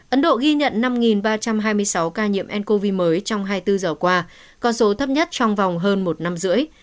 ấn độ ghi nhận năm ba trăm hai mươi sáu ca nhiễm ncov mới trong hai mươi bốn giờ qua con số thấp nhất trong vòng hơn một năm rưỡi